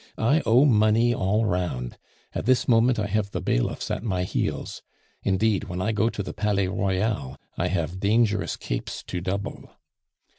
I owe money all round. At this moment I have the bailiffs at my heels; indeed, when I go to the Palais Royal, I have dangerous capes to double."